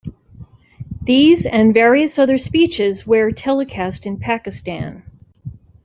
These and various other speeches where telecast in Pakistan.